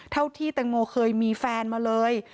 เท่าที่แตงโมเคยมีแฟนมาเลย